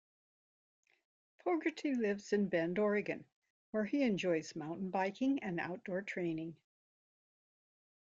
Fogarty lives in Bend, Oregon, where he enjoys mountain biking and outdoor training.